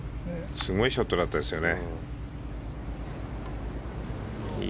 すごいショットだったですよね。